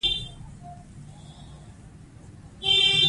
میرغلام محمد غبار به یې سرښندنه ستایلې وه.